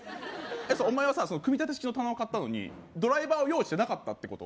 お前はさ組み立て式の棚を買ったのにドライバーを用意してなかったってこと？